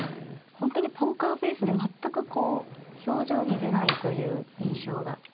本当にポーカーフェースで全くこう表情に出ないという印象が。